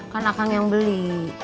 kan akang yang beli